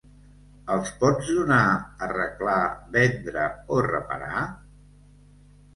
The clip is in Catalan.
Els pots donar, arreglar, vendre o reparar?